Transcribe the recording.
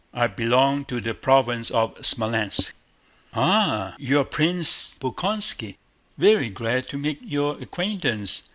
I belong to the province of Smolénsk." "Ah? You're Pwince Bolkónski? Vewy glad to make your acquaintance!